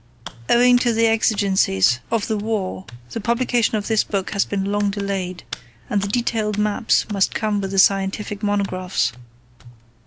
Owing to the exigencies of the war the publication of this book has been long delayed, and the detailed maps must come with the scientific monographs.